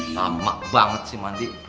nama banget sih mandi